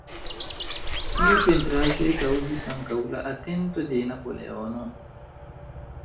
Tiu pentraĵo kaŭzis ankaŭ la atenton de Napoleono.